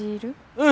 うん。